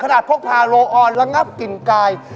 ขนาดพกพารโรออสละงับกลิ่นกาย